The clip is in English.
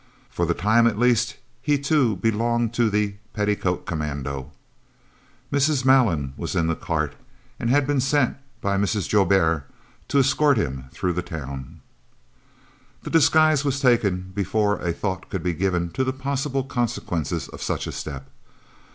For the time at least he too belonged to the "Petticoat Commando." Mrs. Malan was in the cart, and had been sent by Mrs. Joubert to escort him through the town. The disguise was taken before a thought could be given to the possible consequences of such a step.